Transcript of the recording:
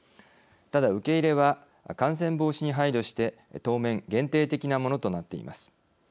ただ、受け入れは感染防止に配慮して当面限定的なものとなっています。